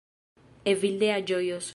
Evildea ĝojos